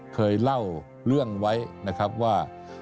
เคยเล่าเรื่องไว้นะครับว่า